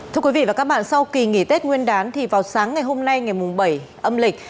thưa quý vị và các bạn sau kỳ nghỉ tết nguyên đán thì vào sáng ngày hôm nay ngày bảy âm lịch